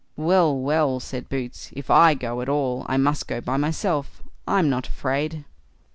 "Well, well!" said Boots;" if I go at all, I must go by myself. I'm not afraid."